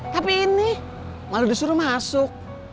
tapi ini malah disuruh masuk